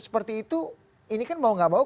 seperti itu ini kan mau gak mau